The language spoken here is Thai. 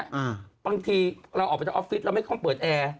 บางทีเราออกไปจากออฟฟิศเราไม่ค่อยเปิดแอร์